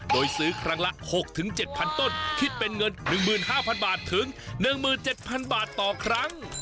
โดยซื้อครั้งละ๖๗๐๐ต้นคิดเป็นเงิน๑๕๐๐บาทถึง๑๗๐๐บาทต่อครั้ง